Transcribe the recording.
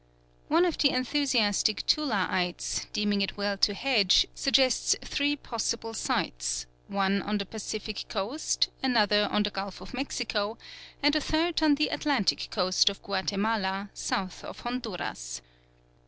One of the enthusiastic Tulaites, deeming it well to hedge, suggests three possible sites, one on the Pacific coast, another on the Gulf of Mexico, and a third on the Atlantic coast of Guatemala, south of Honduras.